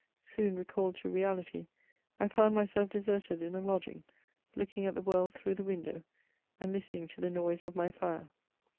Soon recalled to reafity, I found myself deserted in a lodging, looking at the world through the window, and listening to the noise of my fire.